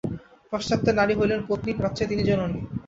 পাশ্চাত্যে নারী হইলেন পত্নী, প্রাচ্যে তিনি জননী।